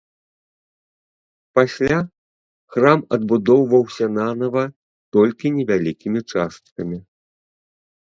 Пасля храм адбудоўваўся нанава толькі невялікімі часткамі.